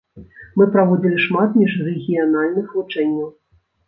Мы праводзілі шмат міжрэгіянальных вучэнняў.